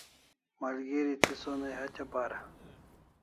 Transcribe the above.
Malgeri thi sonai hatya para